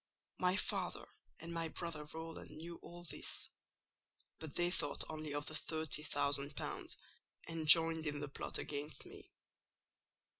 My father and my brother Rowland knew all this; but they thought only of the thirty thousand pounds, and joined in the plot against me.